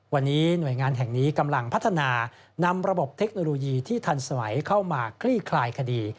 วันนี้หน่วยงานแห่งนี้กำลังพัฒนานำระบบเทคโนโลยีที่ทันสมัยเข้ามาคลี่คลายคดี